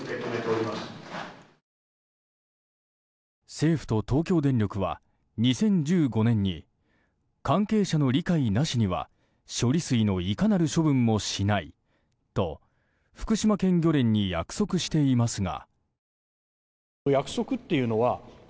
政府と東京電力は２０１５年に関係者の理解なしには処理水のいかなる処分もしないと福島県漁連に約束していますが。